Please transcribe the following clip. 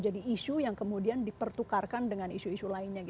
jadi itu memang sudah dipertukarkan dengan isu isu lainnya